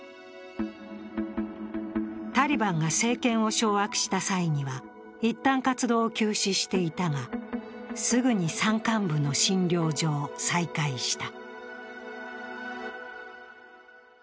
タリバンが政権を掌握した際にはいったん活動を休止していたが、すぐに山間部の診療所を再開した。